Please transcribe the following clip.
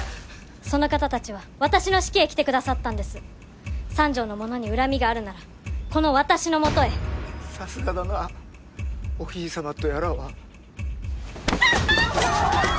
その方たちは私の式へ来てくださったんです三条の者に恨みがあるならこの私のもとへさすがだなぁお姫様とやらはアッアッキャー！